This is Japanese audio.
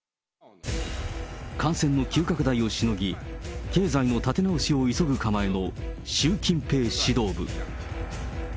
感染の急拡大をしのぎ、経済の立て直しを急ぐ構えの習近平指導部。